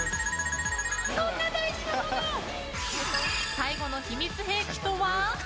最後の秘密兵器とは？